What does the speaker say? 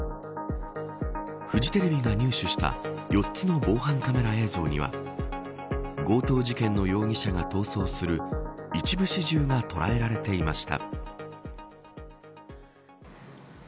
フジテレビが入手した４つの防犯カメラ映像には強盗事件の容疑者が逃走する一部始終が捉えられていました。